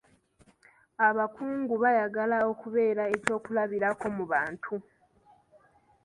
Abakungu baayagala okubeera eky'okulabirako mu bantu.